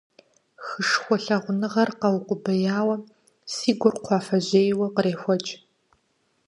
Хышхуэ лъагъуныгъэр къэукъубияуэ, си гур, кхъуафэжьейуэ, кърехуэкӀ.